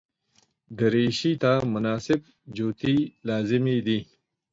دریشي ته مناسب جوتي لازمي دي.